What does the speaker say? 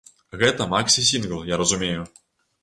Гэта максі-сінгл, я разумею?